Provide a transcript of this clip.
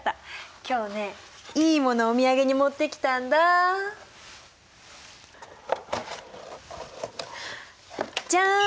今日ねいいものをお土産に持ってきたんだ！じゃん！